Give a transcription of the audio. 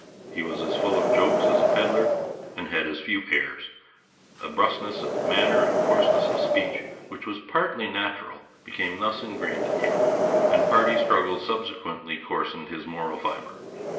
He was as full of jokes as a pedlar, and had as few airs. A brusqueness of manner and coarseness of speech, which was partly natural, became thus ingrained in him, and party struggles subsequently coarsened his moral fibre.